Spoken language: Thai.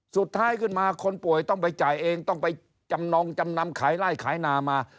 สุดท้ายขึ้นมาคนป่วยต้องไปจ่ายเองต้องไปจำนงจำนำขายไล่ขายนามา